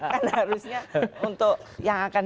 kan harusnya untuk yang akan